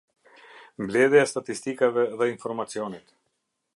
Mbledhja e statistikave dhe informacionit.